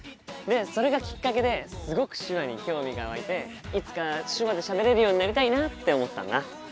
それがきっかけですごく手話に興味が湧いていつか手話でしゃべれるようになりたいなって思ったんだ。